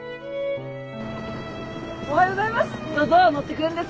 おはようございます。